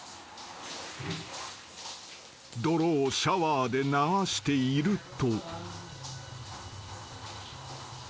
［泥をシャワーで流していると］